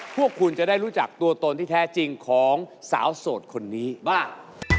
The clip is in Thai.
พวกคุณจะได้รู้จักตัวตนที่แท้จริงของสาวโสดคนนี้บ้าง